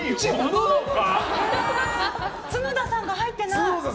つのださんが入ってない。